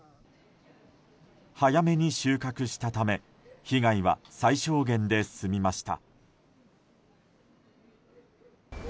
早めに収穫したため被害は最小限で済みました。